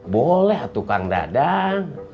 boleh tuh kang dadang